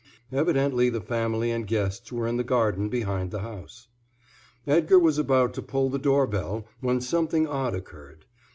Evidently the family and guests were in the garden behind the house. Edgar was about to pull the door bell when something odd occurred.